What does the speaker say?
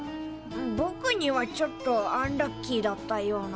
ぼくにはちょっとアンラッキーだったような。